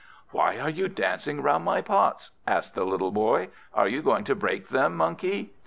"Why are you dancing round my pots?" asked the little Boy. "Are you going to break them, Monkey?"